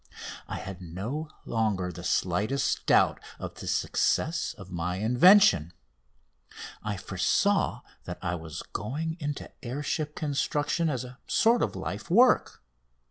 I had no longer the slightest doubt of the success of my invention. I foresaw that I was going into air ship construction as a sort of life work.